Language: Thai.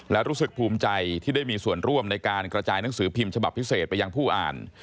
และรู้สึกภูมิใจที่ได้มีส่วนร่วมในการกระจายหนังสือพิมพ์ฉบับพิเศษไปยังผู้อ่าน